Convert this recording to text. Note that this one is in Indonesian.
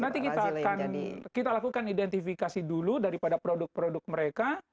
nanti kita akan identifikasi dulu daripada produk produk mereka